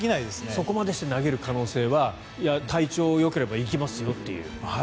そこまでして投げる可能性は、体調がよければいきますよという。